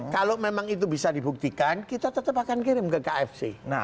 kalau memang itu bisa dibuktikan kita tetap akan kirim ke kfc